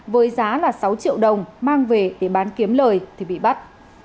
với giá là sáu triệu đồng mang về để bán kiếm lời thì bị bắt